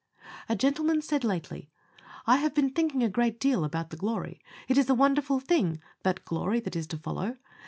A gentleman said lately, "I have been thinking a great deal about the glory. It is a wonderful thing that glory that is to follow.